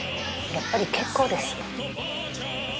やっぱり結構です。